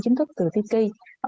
chính thức từ tiki